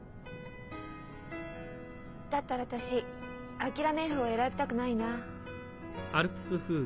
だったら私諦める方選びたくないなあ。